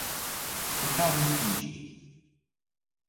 Hikaru Fujii